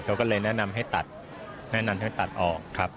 เขาก็เลยแนะนำให้ตัดแนะนำให้ตัดออกครับ